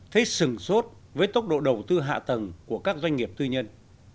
thấy sừng sốt với tốc độ đầu tư hạ tầng của các doanh nghiệp tư nhân